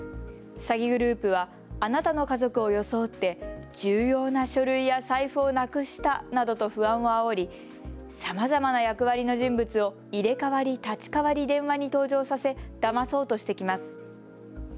詐欺グループはあなたの家族を装って重要な書類や財布をなくしたなどと不安をあおりさまざまな役割の人物を入れ代わり立ち代わり、電話に登場させだまそうとしてきます。